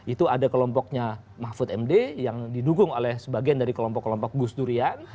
itu ada kelompoknya mahfud md yang didukung oleh sebagian dari kelompok kelompok gus durian